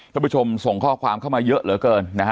ท่านผู้ชมส่งข้อความเข้ามาเยอะเหลือเกิน